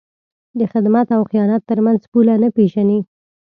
د خدمت او خیانت تر منځ پوله نه پېژني.